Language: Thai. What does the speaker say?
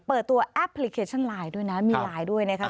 เปิดตัวแอปพลิเคชันไลน์ด้วยนะมีไลน์ด้วยนะครับ